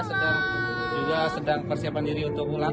mbak mega sedang persiapan diri untuk pulang